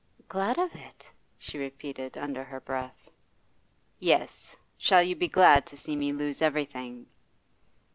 'Glad of it?' she repeated under her breath. 'Yes; shall you be glad to see me lose everything?